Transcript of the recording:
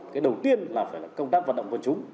cái đầu tiên là phải công tác vận động của chúng